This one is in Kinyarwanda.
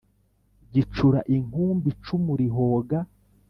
gicura inkumbi icumu rihoga,